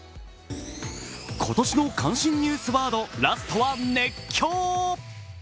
今年の関心ニュースワード、ラストは「熱狂」。